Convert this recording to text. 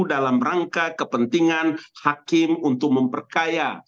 dalam rangka kepentingan hakim untuk memperkaya